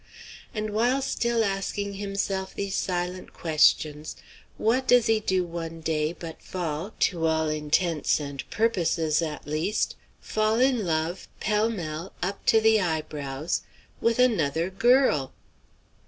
And while still asking himself these silent questions, what does he do one day but fall to all intents and purposes, at least fall in love pell mell up to the eyebrows with another girl!